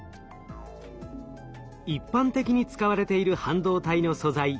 一般的に使われている半導体の素材シリコン。